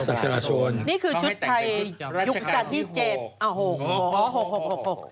จากธนาคารกรุงเทพฯ